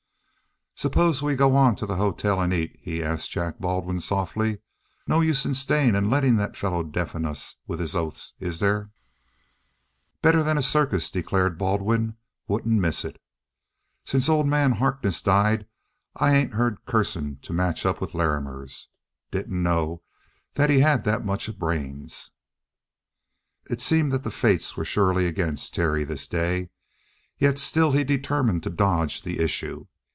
"Suppose we go on to the hotel and eat?" he asked Jack Baldwin softly. "No use staying and letting that fellow deafen us with his oaths, is there?" "Better than a circus," declared Baldwin. "Wouldn't miss it. Since old man Harkness died, I ain't heard cussing to match up with Larrimer's. Didn't know that he had that much brains." It seemed that the fates were surely against Terry this day. Yet still he determined to dodge the issue.